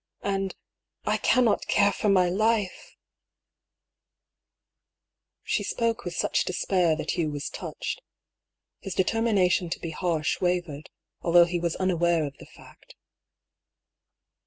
And I cannot care for my life !" She spoke with such despair that Hugh was touched. His determination to be harsh wavered, although he was unaware of the fact.